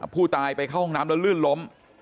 ผู้ตายไปเข้าห้องน้ำแล้วลื่นล้ม